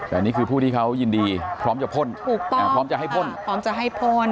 แต่อันนี้คือผู้ที่เขายินดีพร้อมจะพ่นถูกต้องพร้อมจะให้พ่นพร้อมจะให้พ่น